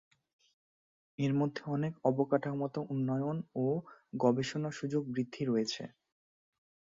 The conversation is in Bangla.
এর মধ্যে অনেক অবকাঠামোগত উন্নয়ন ও গবেষণা সুযোগ বৃদ্ধি রয়েছে।